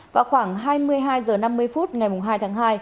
vào khoảng hai mươi hai h năm mươi phút ngày hai tháng hai